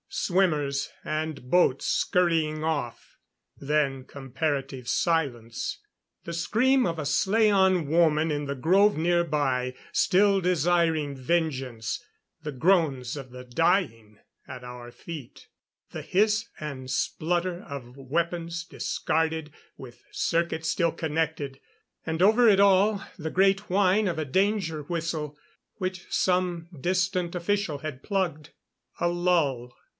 Swimmers and boats scurrying off. Then comparative silence. The scream of a slaan woman in the grove nearby, still desiring vengeance; the groans of the dying at our feet; the hiss and splutter of weapons discarded, with circuits still connected. And over it all, the great whine of a danger whistle, which some distant official had plugged.... A lull.